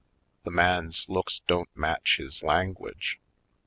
The man's looks don't match his language.